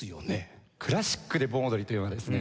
クラシックで盆踊りというのはですね